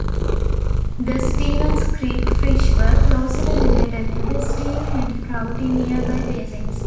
The Stevens Creek fish were closely related to the steelhead trout in nearby basins.